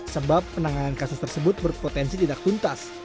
sebab penanganan kasus tersebut berpotensi tidak tuntas